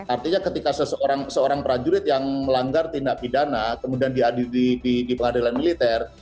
artinya ketika seorang prajurit yang melanggar tindak pidana kemudian diadili di pengadilan militer